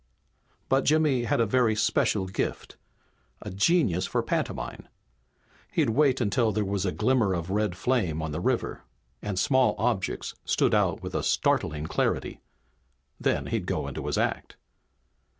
But Jimmy had a very special gift, a genius for pantomime. He'd wait until there was a glimmer of red flame on the river and small objects stood out with a startling clarity. Then he'd go into his act.